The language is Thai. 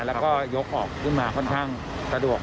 แล้วก็ยกออกขึ้นมาค่อนข้างสะดวก